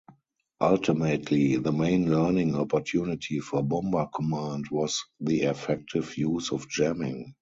Ultimately the main learning opportunity for Bomber Command was the effective use of jamming.